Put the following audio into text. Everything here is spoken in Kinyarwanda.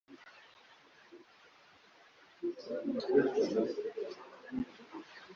uburenganzira kandi igomba gutanga umunsi